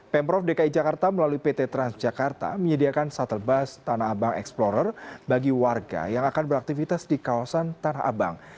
pemprov dki jakarta melalui pt transjakarta menyediakan shuttle bus tanah abang explorer bagi warga yang akan beraktivitas di kawasan tanah abang